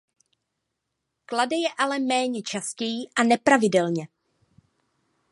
Klade je ale méně častěji a nepravidelně.